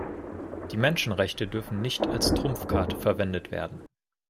Die Menschenrechte dürfen nicht als Trumpfkarte verwendet werden.